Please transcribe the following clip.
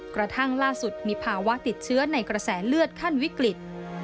กระทั่งล่าสุดมีภาวะติดเชื้อในกระแสเลือดขั้นวิกฤต